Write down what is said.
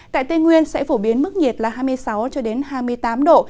tại tây nguyên sẽ phổ biến mức nhiệt là hai mươi sáu hai mươi tám độ